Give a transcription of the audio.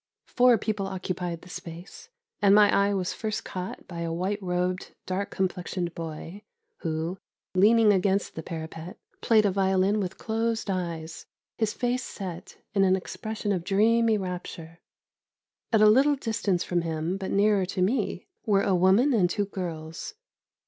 Four people occupied the space, and my eye was first caught by a white robed, dark complexioned boy, who, leaning against the parapet, played a violin with closed eyes, his face set in an expression of dreamy rapture. At a little distance from him, but nearer to me, were a woman and two girls.